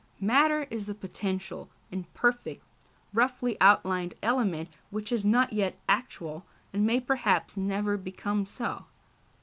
Matter is the potential, imperfect, roughly outlined element which is not yet actual, and may perhaps never become so.